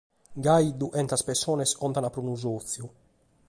Gasi dughentas persones contant pro unu sòtziu.